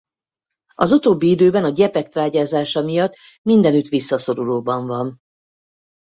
Az utóbbi időben a gyepek trágyázása miatt mindenütt visszaszorulóban van.